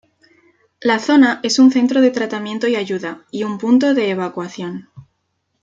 La zona es un centro de tratamiento y ayuda, y un punto de evacuación.